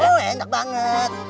oh enak banget